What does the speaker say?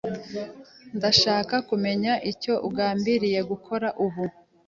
Ndashaka kumenya icyo ugambiriye gukora ubu.